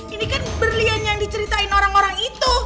ini kan berlian yang diceritain orang orang itu